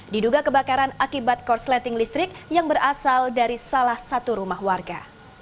diduga kebakaran akibat korsleting listrik yang berasal dari salah satu rumah warga